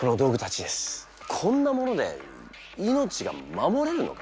こんなもので命が守れるのか！？